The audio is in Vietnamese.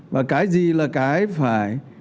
và cái gì là cái phải